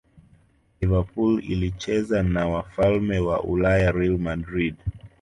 liverpool ilicheza na wafalme wa ulaya real madrid